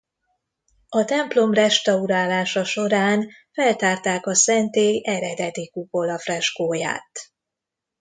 A templom restaurálása során feltárták a szentély eredeti kupola-freskóját.